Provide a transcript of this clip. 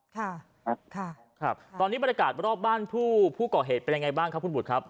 ค่ะครับตอนนี้บรรยากาศรอบบ้านผู้ก่อเหตุเป็นยังไงบ้างครับคุณบุตรครับ